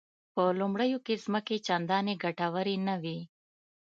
په لومړیو کې ځمکې چندانې ګټورې نه وې.